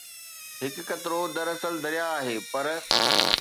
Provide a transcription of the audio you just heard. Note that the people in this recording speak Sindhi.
هڪ قطرو دراصل درياهه آهي پر